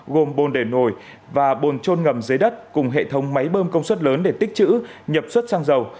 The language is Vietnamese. gồm bồn để nồi và bồn trôn ngầm dưới đất cùng hệ thống máy bơm công suất lớn để tích chữ nhập xuất sang dầu